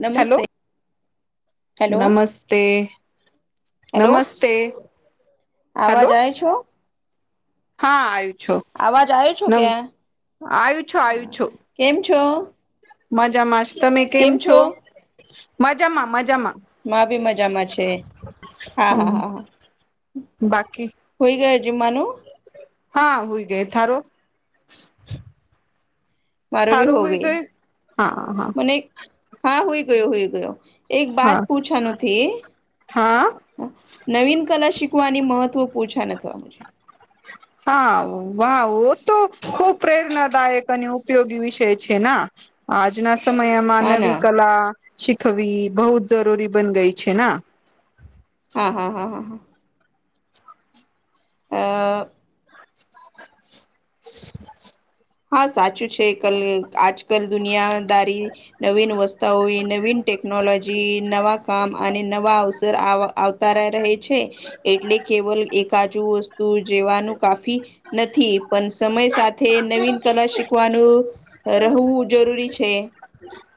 નમસ્તે. Hello hello નમસ્તે hello નમસ્તે આવાજ હાલો. આવે છો હા આયુ છો આવાજ આવે છો નમ કે હા આયુ છો આયુ છો. કેમ છો મજામાંશ, તમે કેમ છો? મજામાં મજામાં. માં બી મજામાં છે હા હા હા હા. બાકી હુઈ ગયો જીમાનુ? હા હુય ગઈ, થારો? મારો બી થારો હો હુઈ ગઈ હા હા મને હા હુય ગયો હુય ગયો એક બાત હા પૂછવાનું તી. હા હ નવીનકલા શીખવાની મહત્વ પૂછાનુ થો મને. હા વા વો તો ખુબ પ્રેરણાદાયક અને ઉપયોગી વિષય છે ના. આજના સમયમાં હા ના નવી કલા શીખવી બહુ જ જરૂરી બન ગઈ છે ના. હા હા હા હા હા. અ [inaudible] હા સાચું છે કલ આજકલ દુનિયાદારી નવીન વસ્તાઓ નવી નવીન ટેકનોલોજી, નવાં કામ અને નવા અવસર આ આવતા રહે છે. એટલે કેવલ એકાજુ વસ્તુ જેવાનું કાફી નથી પન સમય સાથે તે નવીન કલા શીખવાનું રહુ જરૂરી છે.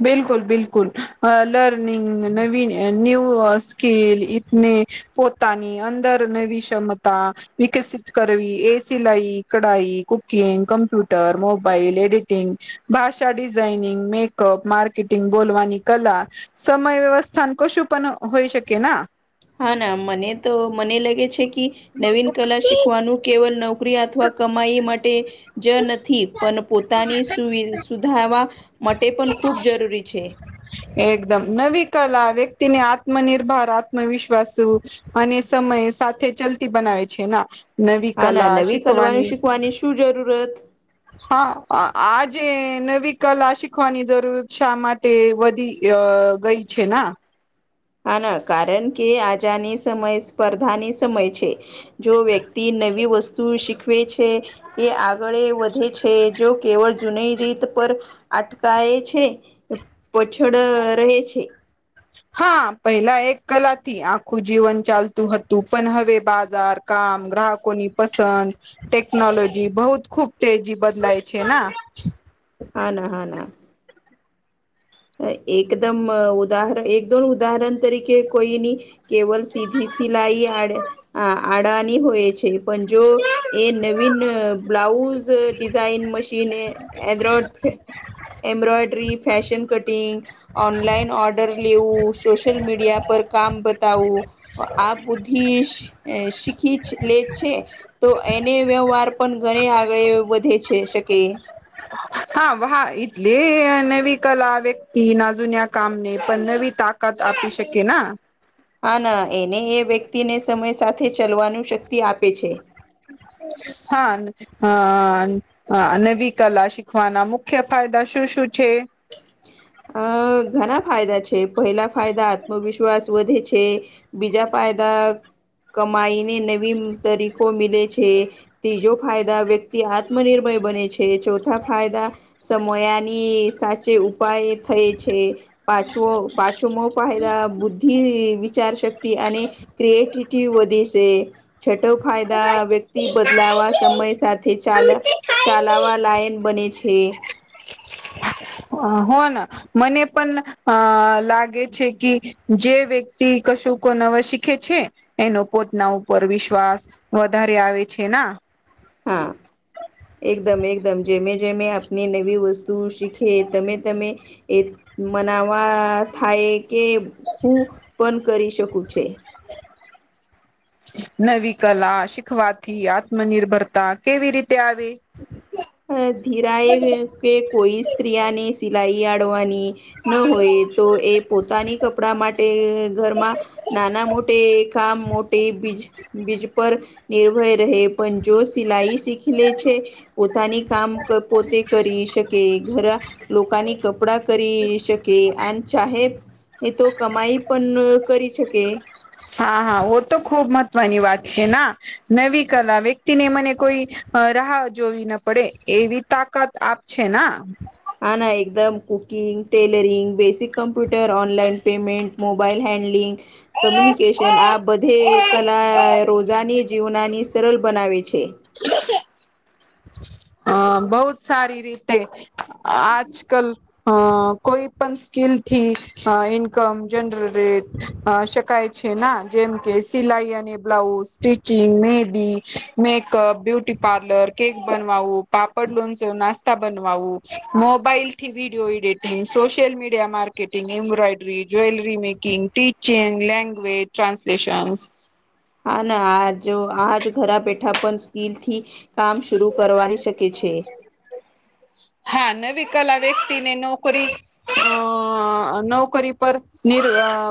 બિલકુલ બિલકુલ, અ લર્નિંગ ને નવીન ન્યૂ અ સ્કીલ ઈતની પોતાની અંદર નવી ક્ષમતા. વિકસિત કરવી એ સિલાઈ, કઢાઈ, કુકિંગ, કમ્પ્યુટર, મોબાઈલ, એડિટિંગ. ભાષા ડિઝાઈનિંગ મેક કપ, માર્કેટિંગ, બોલવાની કલા, સમય વ્યવસ્થાન કશું પણ હોઈ શકે ના. હા ના મને તો મને લાગે છે કે નવીનકલા શીખવાનું કેવલ નોકરી અથવા કમાઈ એ માટે જ નથી પણ પોતાની સુવિ સુધાવા માટે પણ ખૂબ જરૂરી છે. એકદમ, નવી કલા વ્યક્તિને આત્મનિર્ભર, આત્મવિશ્વાસુ અને સમય સાથે ચલતી બનાવે છે ના. નવી હા ના કલા નવી કલવાનું શીખવાની શું જરૂરત હા, આ જે નવી કલા શીખવાની જરૂર શા માટે વધી અ ગઈ છે ના? હા ના કારણ કે આજાની સમય સ્પર્ધાની સમય છે. જો વ્યક્તિ નવી વસ્તુ શીખવે છે એ આગળે છે જો કેવળ જૂની રીત પર અટકાય છે. પોછડ રહે છે. હા પહેલા એક કલાથી આખું જીવન ચાલતું હતું પણ હવે બાજાર કામ ગ્રાહકો ની પસંદ ટેકનોલોજી બહુત ખુબ તેજી બદલાય છે. હા ના હા ના. એકદમ ઉદાહરણ એક દોન ઉદાહરણ તરીકે કોઈની. કેવલ સીધી સિલાઈ આડવાની હોય છે પણ જો એવી ઇન બ્લાઉઝ ડિઝાઇન મશીન એન્ડડોન embroidery fashion cutting. Online order લેવું સોશલ મીડિયા પર કામ બતાવું. આ બુદ્ધિ શીખીજ લે છે. તો એને વ્યવહાર પણ ઘણી આગળ વધે છે શકે હા હા ટલે નવી કલા વ્યક્તિ ના જુન્યા કામને પણ નવી તાક કાદ આપી શકે ના. હા ના એને એ વ્યક્તિને સમય સાથે ચલવાનું શક્તિ આપે છે. હા. હા નવી કલા શીખવાના મુખ્ય ફાયદા શું શું છે. અ ઘણા ફાયદા છે પહેલા ફાયદા આત્મવિશ્વાસ વધે છે. બીજા ફાયદા કમાઈને નવી તરીકો મિલે છે ત્રીજો ફાયદા વ્યક્ આત્મનિર્ભર બને છે ચોથા ફાયદા સમયાની સાચે ઉપાય છ મો પ પાંચમો પાંચમો ફાયદા બુદ્ધિ વિચાર શક્તિ અને ક્રિએટટી વધે છે. છટો ફાયદા વ્યક્તિ બદલાવા સમય સાથે ચાલ ચલાવા લાઈન બને છે. હો ના મને પણ અ લાગે છે કે જે વ્યક્તિ કશું કો નવા શીખે છે. એનો પોતના ઉપર વિશ્વાસ વધારે આવે છે ના હા. એકદમ એકદમ જેમે જેમે આપણી નવી વસ્તુ શીખે તમે તમે એ મનાવા થાય કે હું પણ કરી શકું છે. હ. નવી કલા શીખવાથી આત્મનિર્ભરતા કેવી રીતે આવે. [inaudible] અ ધીરાએ કે કોઈ સ્ત્રીયાને સિલાઈ આડવાની. ન હોય તો એ પોતાની કપડા માટે ઘરમાં નાના મોટે કામ મોટે બીજ. બીજ પર નિર્ભય રહે પણ જો સિલાઈ શીખી લે છે. પોતાની કામ પોતે કરી શકે ઘરા લોકની કપડા કરી શકે અને ચાહે એ તો કમાઈ પણ કરી શકે. હા હા ઓ તો ખુબ મહત્વની વાત છે ના નવી કલા વ્યક્તિને મને કોઈ. રાહ જોવી ના પડે એવી તાકાત આપ છે ના. આ ના એકદમ cooking, tailoring, basic computer, online payment, mobile handling communication આ બધે કલા રોજાની જીવનાની સરળ બનાવે છે. હ બહુત સારી રીતે આજ કલ અ કોઈ પણ સ્કીલ થી ઇન્કમ જનરેટ શકાય. છે ના જેમ કે સિલાઈ અને બ્લાઉઝ, સ્ટિચિંગ મેદી મેકઅપ, બ્યુટી પાર્લર, કેક બનવાવું. પાપડ લોનચો નાસ્તા બનવાું મોબાઈલ થી વિડીિયો એડિટંગ સોશિયલ મીડિયા મા ટિંગ embroidery jewellery making teaching language translations [inaudible] હા ના આજ આજ ઘરા પેઠા પણ. સ્કીલથી કામ શરૂ કરવાની શકે છે. હા નવી કલા વ્યક્તિને નોકરી અ નોકરી પર નિ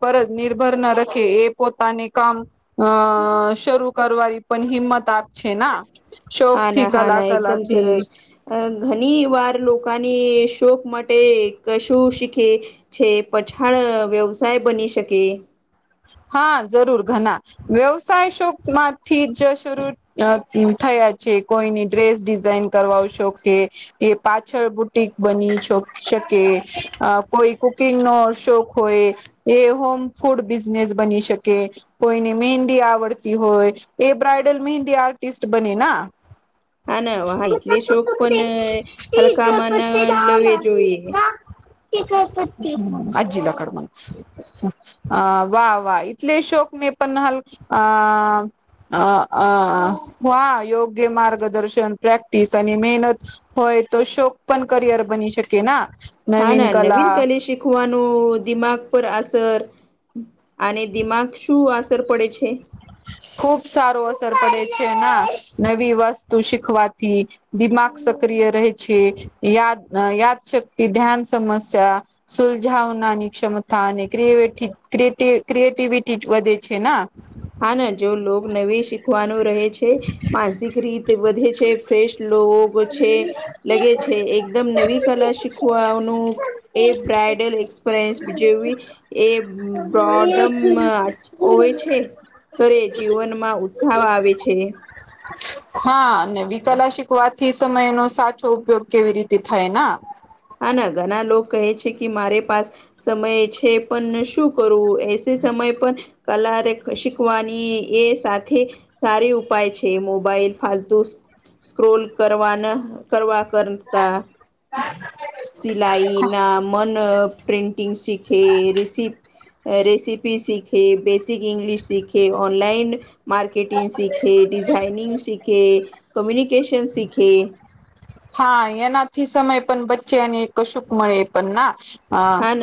પરત નિર્ભર ન રખે એ પોતાને કામ અ શરૂ કરવાની પણ હિંમત આપ છે, ના શોક હા થી ના હા કલા ના કલા એકદમ થી. સરસ. અ ઘણી વાર લોકોની શોક માટે કશું શીખે છે પછાળ વ્યવસાય બની શકે હા જરૂર ઘણા વ્યવસાય શોક માંથી જ શરૂ અ થયા છે કોઈની ડ્રેસ ડિઝાઇન કરવા શોખ એ પાછળ બુટીક બની શકે કોઈ કુકિંગ નો શોખ હોય. એ હોમ ફૂડ બિઝનેસ બની શકે. કોઈને મહેંદી આવડતી હોય એ બ્રઇડલ મહેંદી આર્ટિસ્ટ બને ના હા ના હ એટલે શોક પણ હલકામાં ના લવી જોઈએ. આજ લ કડ વાહ વાહ ટલે શોક નહી પણ હાલ અ અ અ હ યોગ્ય માર્ગદર્શન પ્રેક્ટિસ અને મહેનત. હોય તો શોક પણ કરિયર બની શકે ના નવીન કલા શખવાનું દિમાગ પર અસર અને દિમાગ શું અસર પડે છે. ખુબ સારો અસર પડે છે, ના નવી વસ્તુ શીખવાથી. દિમાગ સક્રિય રહેહી છે. યાદ યાદ શક્તિ ધ્યાન સમસ્યા સુલઝાવનાની ક્ષમતા અને ક્ર ક્રિએટીિવિટી વધે છે. હા ના જો લો નવી શીખવાનું રહે છે. માનસિક રીત વધે છે ફ્રેશ રગ છે લગે છે. એકદમ નવી કલા શીખવાનું એ બ્રાયડલ એક્સપરયન્સ બી જેવી એ બ્રડમ હો છે. કરે જીવનમાં ઉત્સાહ આવે છે. [inaudible] હા વિકલા શીખવાથી સમયનો સાચો ઉપયોગ કેવી રીતે થાય હા, ના ઘણા લોકો કહે છે, કે મારે પાસ સમય છે. પણ શું કરવુ એસી સમય પણ કલા શીખવાની એ સાથે સારી ઉપાય છે, મોબાઈલ ફાલતુ સ્ક્રોલ કરવાના કરવા કરતા સિલાઈ ના મન પ્રિન્ટિંગ શીખે રિપ રેસીિપી સીખે બેસિક ગ્લિશ સીખે ઓનલાઈન માર્કરકેટિંગ શીખે ડિઝાઇનિંગ શીખે કમ્યુનિકેશન શીખે. હા એનાથી સમય પણ બચ્ચેને કશુક મળે એ પણ ના હા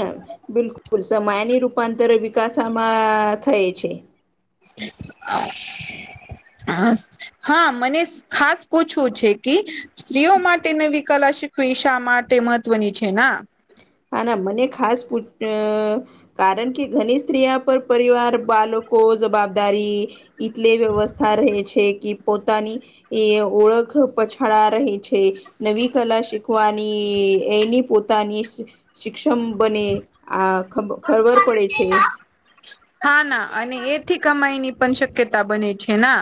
બિલકુલ સમયની રૂપાંતર વિકાસમાં થાય છે. એ હ હા મને ખાસ પૂછવું છે કે સ્ત્રીઓ માટેને એ વી કલા શીખવી શા માટે મહત્વની છે ના હા ના મને ખાસ પૂ કારણ કે ઘની સ્ત્રીિયા પર પરિવાર, બાળકો, જવાબદારી એટલે વ્યવસ્થા રહે છે, કે પોતાની. એ ઓળખ પછાડા રહી છે. નવી કલા શીખવાની એની પોતાની શિક્ષમ બને આ ખ ખરબર પડે છે. હા ના અને એથી કમાઈની પણ શક્યતા બને છે ના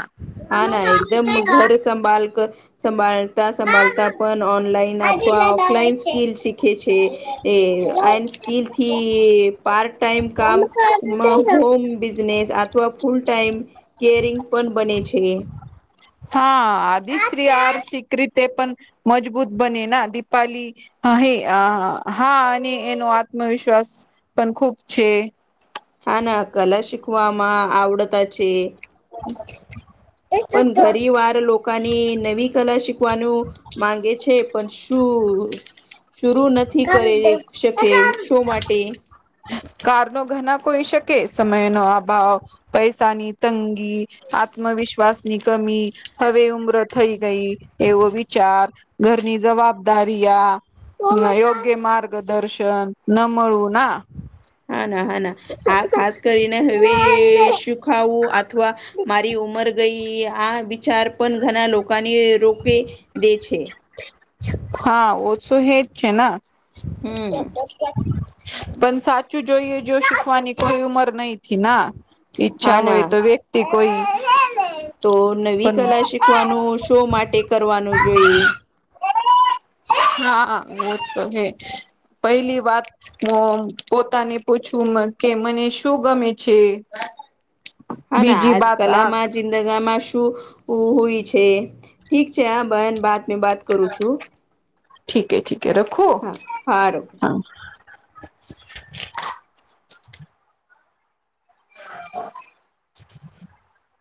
હા ના એકદમ ઘર સંભાળ કર સંભાળતા સંભાળતા પણ ઓનલાઈન અથવા ઓફલાઈન સ્કીલ શીખે છે. એ આ સ્કીલથી પાર્ટ ટાઈમ કામ. હોમ બિઝનેસ અથવા ફૂલ ટાઈમ કેરિંગ પણ બને છે. હા આદિ સ્ત્રી આર્થિક રીતે પણ મજબૂત બને ના દિપાલી. હા હે હા અને એનો આત્મવિશ્વાસ પણ ખુબ છે. હા ના કલા શીખવામાં આવડતા છે. પણ ઘરી વાર લો ની નવી કલા શીખવાનું માંગે છે પણ શું? શરું નથી કર શકે શો માટે. કાર નો ઘણા કોઈ શકે સમય નો અભાવ, પૈસાની તંગી, આત્મવિશ્વાસ ની કમી હવે ઉમ્ર થઈ ગઈ એવો વિચાર ઘરની જવાબદારી આ યોગ્ય માર્ગદર્શન ન મળળું ના હા ના હા ના હા ખાસ કરીને હવે સુખાવું અથવા મારી ઉમર ગઈ આ વિચાર પણ ઘણા લોકોને રોકે દે છે. હા ઓ તો હે જ છે ના હમ પણ સાચું જોઈએ જો શીખવાની કોઈ ઉમર નહ થી ના ઈચ્છા હા હોય ના તો વ્યક્તિ કોઈ તો નવી પણ કલા શીખવાનું શો માટે કરવાનું જોઈએ. હા એ તો હે પહેલી વાત હ પોતાને પૂછું કે મને શું ગમે છે? બીજી બાત આ જિંદગામાં શું હોય છે ઠીક છે આ બહેન બાત મે બાત કરું છું. ઠીકે ઠીકે રખુ હા હારું હા [inaudible]